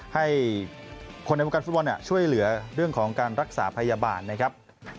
ให้คนในวงการฟุตบอลช่วยเหลือเรื่องของการรักษาพยาบาลนะครับ